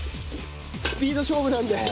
スピード勝負なんで。